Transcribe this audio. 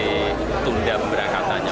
sementara ditunda pemberangkatannya